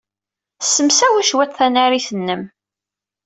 Ssemsawi cwiṭ tanarit-nnem.